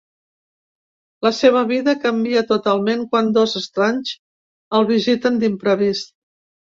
La seva vida canvia totalment quan dos estranys els visiten d’imprevist.